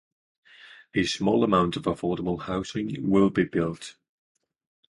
A small amount of affordable housing will be built.